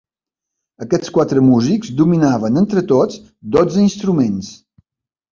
Aquests quatre músics dominaven, entre tots, dotze instruments.